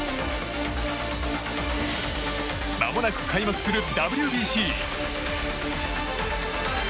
まもなく開幕するＷＢＣ。